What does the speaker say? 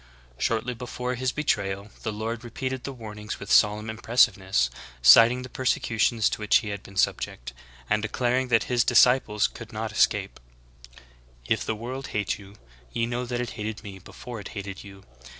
"^ 10. Shortly before His betrayal the Lord repeated the warning with solemn impressiveness, citing the persecutions to which He had been subject, and declaring that His dis ciples could not escape : "If the world hate you, ye know that it hated me before it hated you.